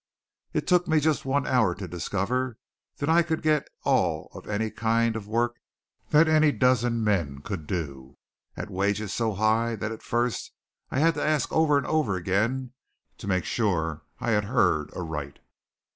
It took me just one hour to discover that I could get all of any kind of work that any dozen men could do, and at wages so high that at first I had to ask over and over again to make sure I had heard aright.